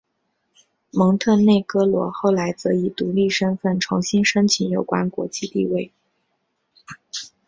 蒙特内哥罗后来则以独立身份重新申请有关国际地位。